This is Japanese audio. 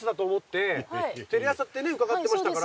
テレ朝ってね伺ってましたから。